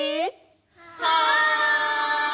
はい！